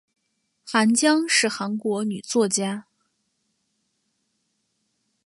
韩江是韩国女作家。